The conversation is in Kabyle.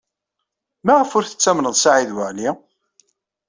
Maɣef ur tettamneḍ Saɛid Waɛli?